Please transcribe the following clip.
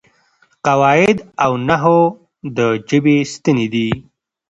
قواعد او نحو د ژبې ستنې دي.